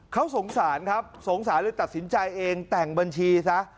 เขาสงสารครับสงสารเลยตัดสินใจเองแต่งบัญชีซะ